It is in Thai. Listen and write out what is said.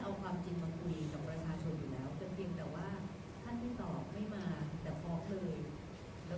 แล้วก็เราเองก็เคยเจอตามงานด้วยนะไม่ใช่ไม่เคยเจอ